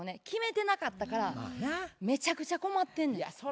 決めてなかったからめちゃくちゃ困ってんねや。